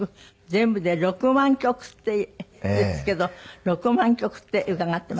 全部で６万曲ってですけど６万曲って伺ってますがそうですか？